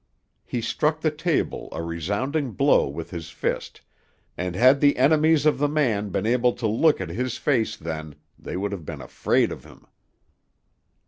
He struck the table a resounding blow with his fist, and had the enemies of the man been able to look at his face then, they would have been afraid of him.